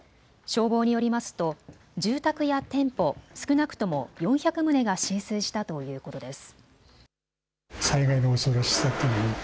消防によりますと住宅や店舗少なくとも４００棟が浸水したということです。